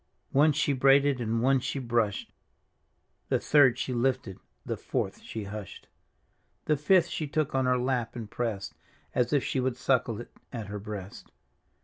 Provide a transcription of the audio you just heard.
One she braided and one she brushed. The third she lifted, the fourth she hushed. The fifth she took on her lap and pressed. As if she would suckle it at her breast.